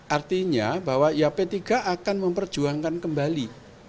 artinya bahwa ya p tiga akan memperjuangkan kembali